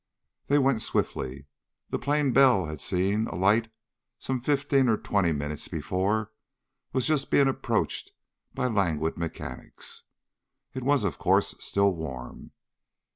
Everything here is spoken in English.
They went swiftly. The plane Bell had seen alight some fifteen or twenty minutes before was just being approached by languid mechanics. It was, of course, still warm.